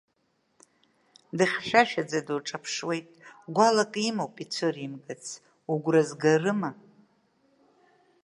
Дыхьшәашәаӡа дуҿаԥшуеит, гәалак имоуп ицәыримгац, угәра згарыма?